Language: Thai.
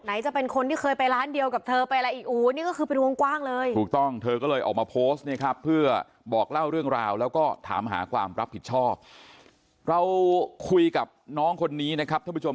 ไหนจะเป็นคนที่เคยไปร้านเดียวกับเธอไปอะไรอีกอู๋นี่ก็คือเป็นวงกว้างเลย